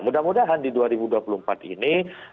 mudah mudahan di dua ribu dua puluh empat ini